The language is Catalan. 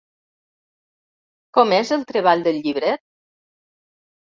Com és el treball del llibret?